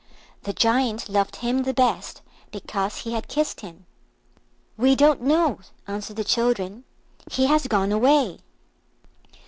The Giant loved him the best because he had kissed him. "We don't know," answered the children; "he has gone away."